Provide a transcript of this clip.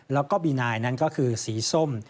แล้วก็บีนายนั้นก็คือสีส้ม